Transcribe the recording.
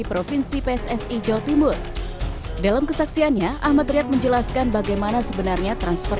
provinsi pssi jawa timur dalam kesaksiannya ahmad riyad menjelaskan bagaimana sebenarnya transfer